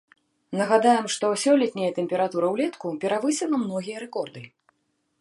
Нагадаем, што сёлетняя тэмпература ўлетку перавысіла многія рэкорды.